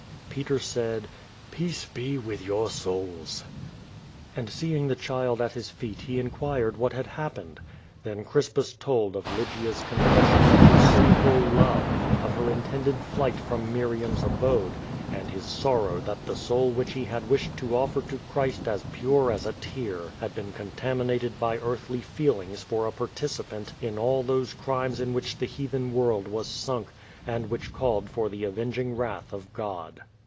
Peter said "Peace be with your soula." And seeing the child at his feet he in(|uirod what had hap pened. Then Crispus told of LydiaV conffs.^ion of her sin ful love, of her intended flight from Mirianrs abode — and his 2i8 QUO VADIS. sorrow that the soul which he had wished to offer to Christ as pure as a tear had been contaminated by earthly feelings for a participant in all those crimes in which the heathen world was sunk, and which called for the avenging wrath of God.